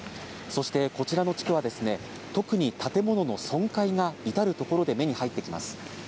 そして、こちらの地区は特に建物の損壊が至る所で目に入ってきます。